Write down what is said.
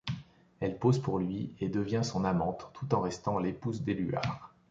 Elle pose pour lui et devient son amante tout en restant l'épouse d'Éluard.